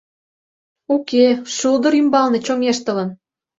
Уке, шулдыр ӱмбалне чоҥештылын.